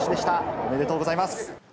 おめでとうございます。